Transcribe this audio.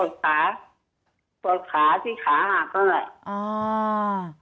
ปวดขาปวดขาที่ขาหักเท่านั้น